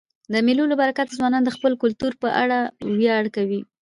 د مېلو له برکته ځوانان د خپل کلتور په اړه ویاړ کوي.